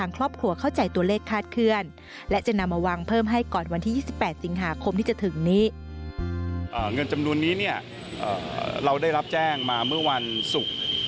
เงินจำนวนนี้เนี่ยเราได้รับแจ้งมาเมื่อวันศุกร์